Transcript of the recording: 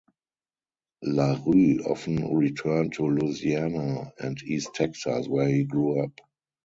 LaRue often returned to Louisiana and East Texas, where he grew up.